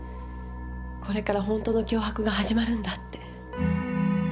これからほんとの脅迫が始まるんだって。